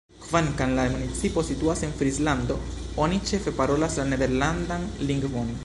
Kvankam la municipo situas en Frislando, oni ĉefe parolas la nederlandan lingvon.